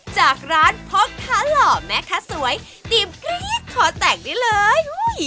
จากร้านพกค่ะหล่อแม่ค่ะสวยติมกรี๊ดขอแต่งได้เลย